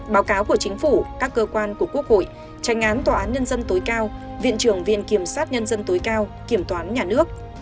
báo cáo của chính phủ các cơ quan của quốc hội tranh án tòa án nhân dân tối cao viện trưởng viện kiểm sát nhân dân tối cao kiểm toán nhà nước